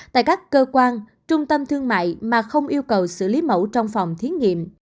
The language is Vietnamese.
tại các cơ quan trung tâm thương mại mà không yêu cầu xử lý mẫu trong phòng thí nghiệm